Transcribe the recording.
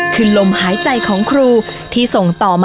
คือลมหายใจของครูที่ส่งต่อไปที่นั่นนะครับ